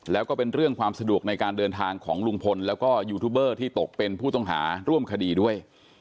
แล้วก็เป็นเรื่องความสะดวกในการเดินทางของลุงพลแล้วก็ยูทูบเบอร์ที่ตกเป็นผู้ต้องหาร่วมคดีด้วย